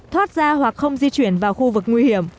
thoát ra hoặc không di chuyển vào khu vực nguy hiểm